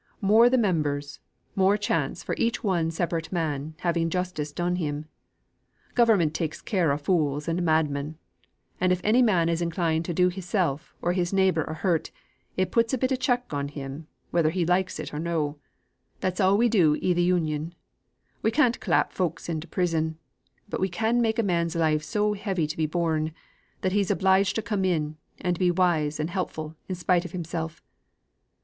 More the members, more chance for each one separate man having justice done him. Government takes care o' fools and madmen; and if any man is inclined to do himsel' or his neighbour a hurt, it puts a bit of a check on him, whether he likes it or no. That's all we do 'i th' Union. We can't clap folk into prison; but we can make a man's life so heavy to be borne, that he's obliged to come in, and be wise and helpful in spite of himsel'.